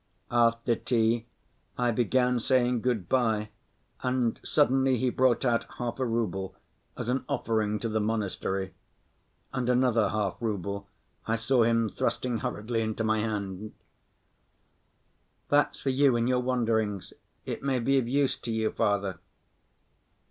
After tea I began saying good‐by, and suddenly he brought out half a rouble as an offering to the monastery, and another half‐rouble I saw him thrusting hurriedly into my hand: "That's for you in your wanderings, it may be of use to you, Father."